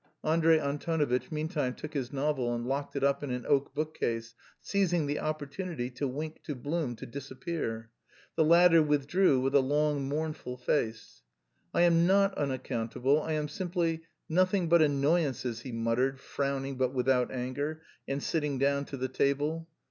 Andrey Antonovitch meantime took his novel and locked it up in an oak bookcase, seizing the opportunity to wink to Blum to disappear. The latter withdrew with a long, mournful face. "I am not unaccountable, I am simply... nothing but annoyances," he muttered, frowning but without anger, and sitting down to the table.